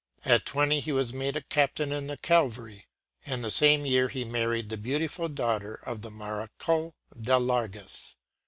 At twenty he was made a captain in the cavalry; and the same year he married the beautiful daughter of the Marechal de Larges.